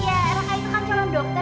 ya raka itu kan cuma dokter